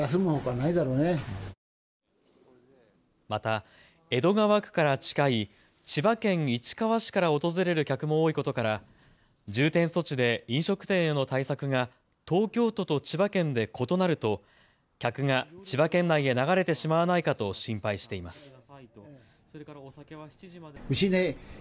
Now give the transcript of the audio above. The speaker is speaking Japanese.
また、江戸川区から近い千葉県市川市から訪れる客も多いことから重点措置で飲食店への対策が東京都と千葉県で異なると客が千葉県内へ流れてしまわないかと心配しています。